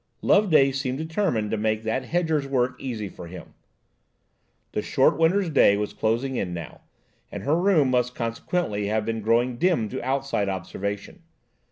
Loveday seemed determined to make that hedger's work easy for him. The short winter's day was closing in now, and her room must consequently have been growing dim to outside observation.